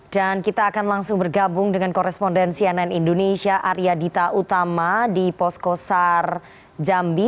dan kita akan langsung bergabung dengan korespondensi ann indonesia arya dita utama di posko sar jambi